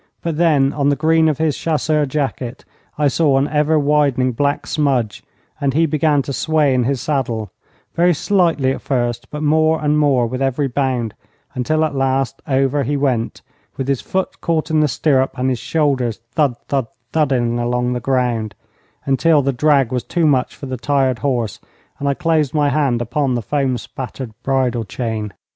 But then on the green of his chasseur jacket I saw an ever widening black smudge, and he began to sway in his saddle, very slightly at first, but more and more with every bound, until at last over he went, with his foot caught in the stirrup, and his shoulders thud thud thudding along the road, until the drag was too much for the tired horse, and I closed my hand upon the foam spattered bridle chain.